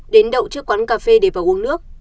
đến đậu trước quán cà phê để vào uống nước